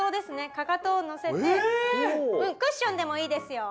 かかとをのせてクッションでもいいですよ。